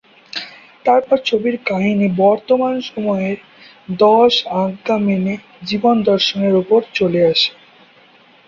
তারপর ছবির কাহিনী বর্তমান সময়ে দশ আজ্ঞা মেনে জীবন দর্শনের উপর চলে আসে।